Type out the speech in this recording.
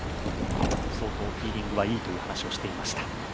相当フィーリングはいいという話をしていました。